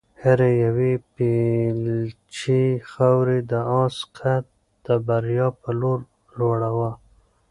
هرې یوې بیلچې خاورې د آس قد د بریا په لور لوړاوه.